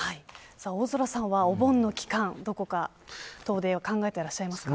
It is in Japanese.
大空さんはお盆の期間どこか遠出を考えていますか。